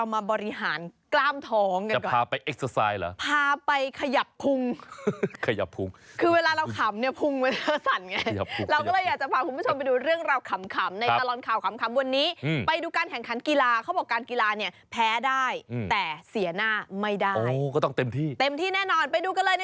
มาแล้วมาแล้วจ๊ะฮ่า